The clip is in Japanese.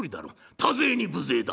多勢に無勢だ。